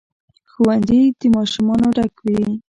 ښوونځي د ماشومانو ډک وي.